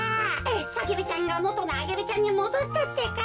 サゲルちゃんがもとのアゲルちゃんにもどったってか。